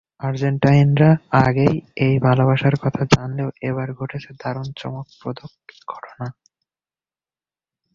আর্জেন্টাইনরা আগেই এই ভালোবাসার কথা জানলেও এবার ঘটেছে দারুণ চমকপ্রদ ঘটনা।